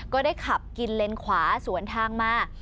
ก็ได้ขับกินเลนขวาสวนทางมา